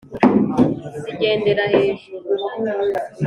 Zigendera hejuru,